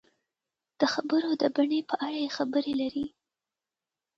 د خبرو د بڼې په اړه یې خبرې لري.